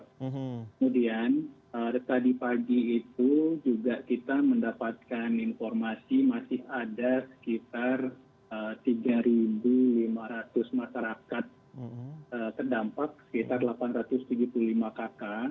kemudian tadi pagi itu juga kita mendapatkan informasi masih ada sekitar tiga lima ratus masyarakat terdampak sekitar delapan ratus tujuh puluh lima kakak